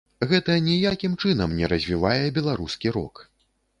Гэта ніякім чынам не развівае беларускі рок.